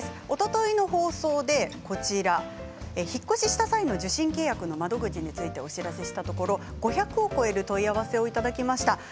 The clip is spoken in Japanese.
おとといの放送で引っ越しした際の受信契約の窓口についてお知らせしたところ５００を超える問い合わせをいただきました。